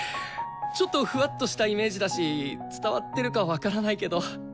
ちょっとふわっとしたイメージだし伝わってるか分からないけど。